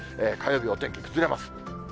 火曜日お天気、崩れます。